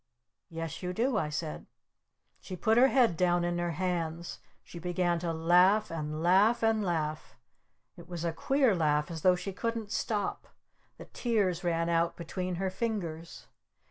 "Yes, you do!" I said. She put her head down in her hands! She began to laugh! And laugh! And laugh! It was a queer laugh as though she couldn't stop! The tears ran out between her fingers!